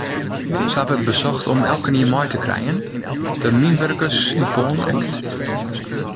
Sa wurdt besocht om elkenien mei te krijen, de mynwurkers yn Poalen ek.